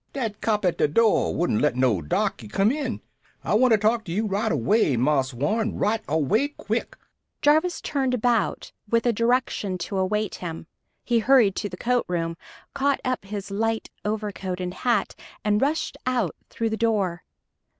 "Dat cop at de door wouldn't let no darky come in. I want to talk to you right away, Marse Warren. Right away quick." Jarvis turned about, with a direction to await him. He hurried to the coat room, caught up his light overcoat and hat, and rushed out through the door.